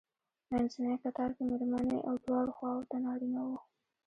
منځنی کتار کې مېرمنې او دواړو خواوو ته نارینه وو.